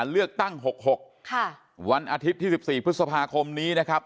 เลือกตั้ง๖๖วันอาทิตย์ที่๑๔พฤษภาคมนี้นะครับ